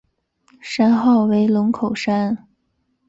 山号为龙口山。